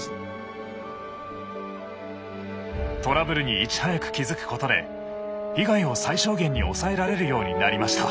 トラブルにいち早く気付くことで被害を最小限に抑えられるようになりました。